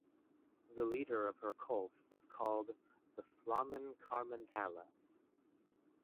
The leader of her cult was called the "flamen carmentalis".